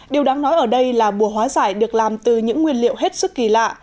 điều đáng nói ở đây là bùa hóa giải được làm từ những nguyên liệu hết sức kỳ lạ